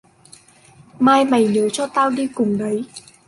mai mày nhớ cho tao đi cùng đấy